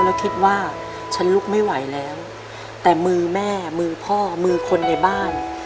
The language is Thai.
แล้วคิดว่าฉันลุกไม่ไหวแล้วแต่มือแม่มือพ่อมือคนในบ้าน